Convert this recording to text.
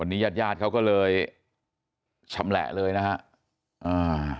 วันนี้ญาติเขาก็เลยชำแหละเลยนะฮะ